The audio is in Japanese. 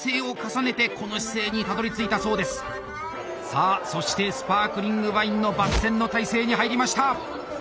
さあそしてスパークリングワインの抜栓の態勢に入りました。